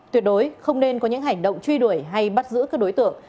tuyệt đối không nên có những hành động truy đuổi hay bắt giữ các đối tượng